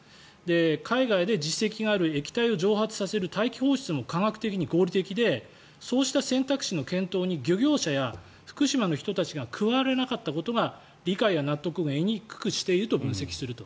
海外で実績がある液体を蒸発させる大気放出も科学的に合理的でそうした選択肢の検討に漁業者や福島の人たちが加われなかったことが理解や納得を得にくくしていると分析すると。